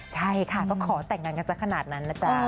ใช่ค่ะก็ขอแต่งงานกันสักขนาดนั้นนะจ๊ะ